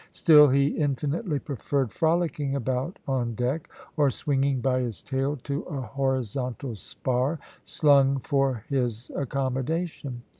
Still he infinitely preferred frolicking about on deck, or swinging by his tail to a horizontal spar, slung for his accommodation.